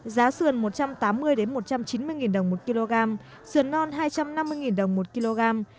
giá sườn một trăm tám mươi một trăm chín mươi đồng một kg sườn non hai trăm năm mươi đồng một kg